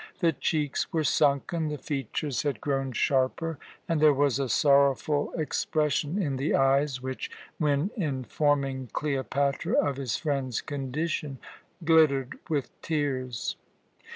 The cheeks were sunken, the features had grown sharper, and there was a sorrowful expression in the eyes, which, when informing Cleopatra of his friend's condition, glittered with tears.